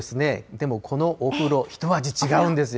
でもこのお風呂、一味違うんですよ。